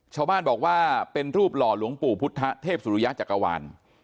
ชาวบ้านบอกว่าเป็นรูปหล่อหลวงปู่พุทธเทพสุริยะจักรวาล